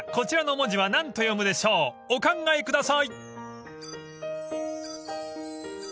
［お考えください］